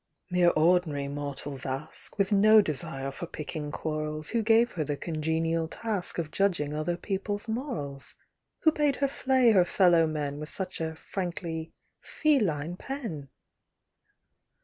Mere ordinary mortals ask, With no desire for picking quarrels, Who gave her the congenial task Of judging other peopleŌĆÖs morals? Who bade her flay her fellow men With such a frankly feline pen?